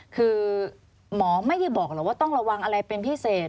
คือหมอไม่ได้บอกหรอกว่าต้องระวังอะไรเป็นพิเศษ